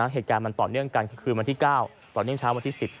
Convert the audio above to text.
เหตุการณ์มันต่อเนื่องกันคือคืนวันที่๙ต่อเนื่องเช้าวันที่๑๐